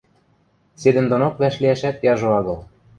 Седӹндонок вӓшлиӓшӓт яжо агыл.